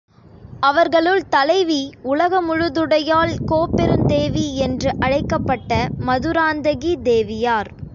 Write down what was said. அவர்களுள் தலைவி உலகமுழு துடையாள் கோப்பெருந்தேவி என்று அழைக்கப்பட்ட மதுராந்தகி தேவியார்.